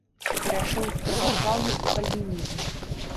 Перайшоў з праваслаўя ў кальвінізм.